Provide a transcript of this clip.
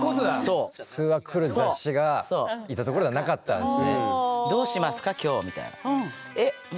普通は来る雑誌が行った所ではなかったんですね。